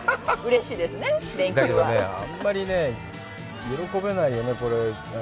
だけどね、あんまり喜べないよね。